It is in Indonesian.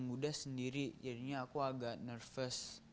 muda sendiri jadinya aku agak nervous